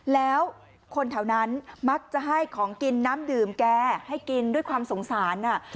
แล้วคนแถวนั้นมักจะให้ของกินน้ำดื่มแกให้กินด้วยความสงสาร